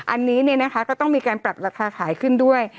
อันนี้ก็ต้องมีการปรับราคาขายขึ้นด้วย